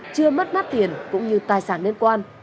chưa mất nắp tiền cũng như tài sản liên quan